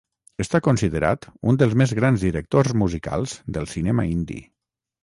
Està considerat un dels més grans directors musicals del cinema indi.